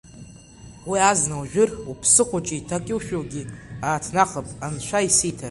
Уи азна ужәыр, уԥсы хәыҷы иҭакьышәугьы ааҭнахып, анцәа исиҭар.